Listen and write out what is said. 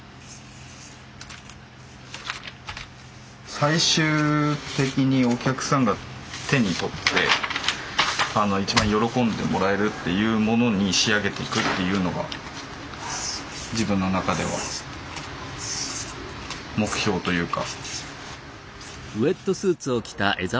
最終的にお客さんが手に取って一番喜んでもらえるっていうものに仕上げていくっていうのが自分の中では目標というか。